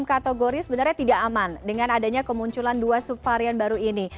kategori sebenarnya tidak aman dengan adanya kemunculan dua subvarian baru ini